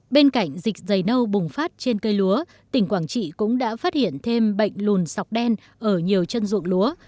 bên cạnh dịch dày nâu bùng phát trên cây lúa tỉnh quảng trị cũng đã phát hiện thêm bệnh lùn sọc đen ở nhiều chân ruộng lúa